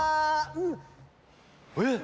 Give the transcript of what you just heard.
「えっ！